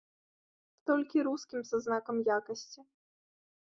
Толькі рускім са знакам якасці.